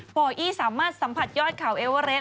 โออี้สามารถสัมผัสยอดเขาเอเวอเรส